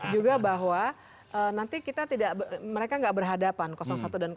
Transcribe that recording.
juga bahwa nanti kita tidak mereka tidak berhadapan satu dan dua